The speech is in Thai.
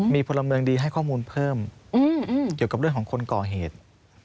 มีพลเมืองดีให้ข้อมูลเพิ่มเกี่ยวกับเรื่องของคนก่อเหตุ